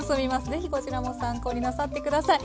是非こちらも参考になさって下さい。